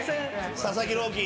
佐々木朗希。